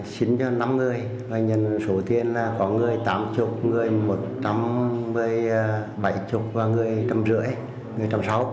xin cho năm người doanh nhân số tiền là có người tám mươi người một trăm bảy mươi và người một trăm năm mươi người một trăm sáu mươi